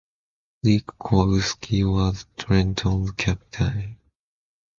Rick Kowalsky was Trenton's captain.